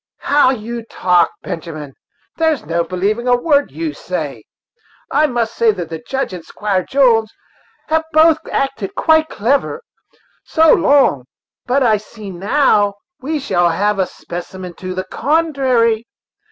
"How you talk, Benjamin! there's no believing a word you say. I must say that the Judge and Squire Jones have both acted quite clever, so long; but I see that now we shall have a specimen to the contrary.